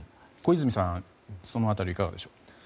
小泉さんはその辺りいかがでしょう。